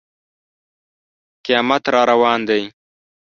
قیامت را روان دی.